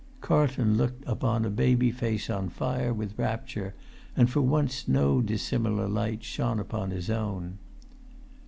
Carlton looked upon a baby face on fire with rapture; and for once no dissimilar light shone upon his own.